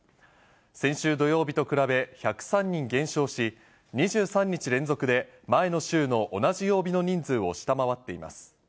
先週土曜日と比べ１０３人減少し、２３日連続で、前の週の同じ曜日の人数を下回っています。